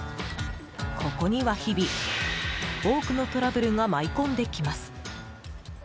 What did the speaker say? ここには日々、多くのトラブルが舞い込んできます。